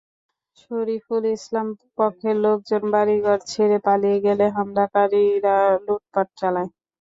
শরিফুল ইসলাম পক্ষের লোকজন বাড়িঘর ছেড়ে পালিয়ে গেলে হামলাকারীরা লুটপাট চালায়।